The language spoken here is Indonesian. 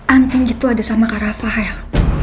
anting itu ada sama kak rafael